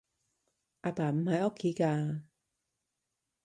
阿爸唔喺屋企㗎